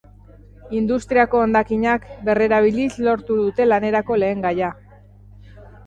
Industriako hondakinak berrerabiliz lortu dute lanerako lehengaia.